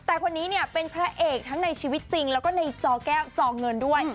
แต่คนนี้เนี่ยเป็นพระเอกทั้งในชีวิตจริงแล้วก็ในจอแก้วจอเงินด้วย